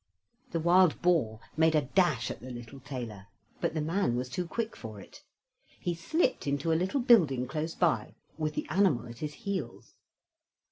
The wild boar made a dash at the little tailor; but the man was too quick for it. He slipped into a little building close by, with the animal at his heels.